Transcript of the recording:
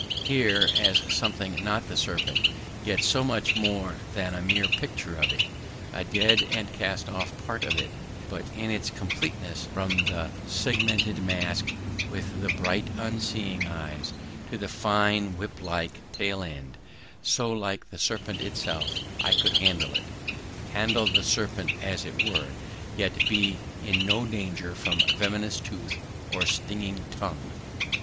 Here was something not the serpent, yet so much more than a mere picture of it; a dead and cast off part of it, but in its completeness, from the segmented mask with the bright unseeing eyes, to the fine whip like tail end, so like the serpent itself; I could handle it, handle the serpent as it were, yet be in no danger from venomous tooth or stinging tongue.